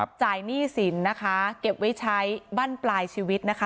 จ่ายหนี้สินนะคะเก็บไว้ใช้บ้านปลายชีวิตนะคะ